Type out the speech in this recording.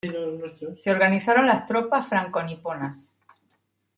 Se organizaron las tropas franco-niponas.